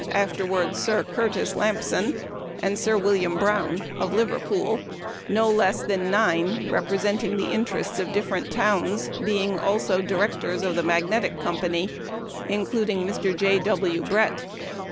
(afterward Sir Curtis) Lampson, and Sir William Brown, of Liverpool, no less than nine (representing the interests of different towns) being also directors of the "Magnetic" Company, including Mr. J. W. Brett.